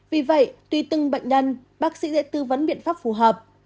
vì vậy tùy từng bệnh nhân bác sĩ sẽ tư vấn biện pháp phù hợp